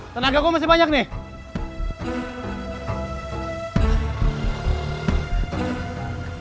tenagaku masih banyak nih